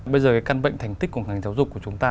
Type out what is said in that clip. bây giờ cái căn bệnh thành tích của ngành giáo dục của chúng ta